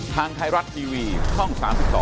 ทางไทยรัฐทีวีช่อง๓๒